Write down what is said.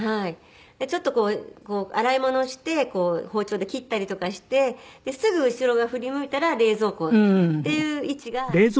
ちょっと洗い物をして包丁で切ったりとかしてですぐ後ろが振り向いたら冷蔵庫っていう位置がいいなっていって。